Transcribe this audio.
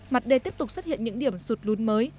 mặt đê tiếp tục xuất hiện những điểm sụt lún mới